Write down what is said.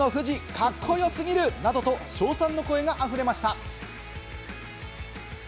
カッコよすぎるなどと称賛の声があふれました。